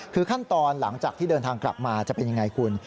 คือขั้นตอนหลังจากที่เดินทางกลับมาจะเป็นยังไงคุณ